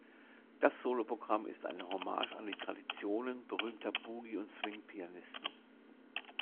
Das Soloprogramm ist eine Hommage an die Traditionen berühmter Boogie- und Swing-Pianisten.